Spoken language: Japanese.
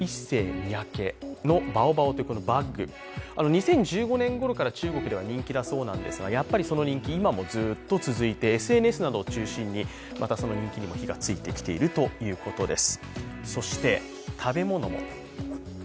２０１５年ごろから中国では人気だそうなんですが、やっぱりその人気、今もずっと続いてＳＮＳなどを中心にまたその人気にも火がついてきているということです。